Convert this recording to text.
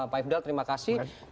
pak ifdal terima kasih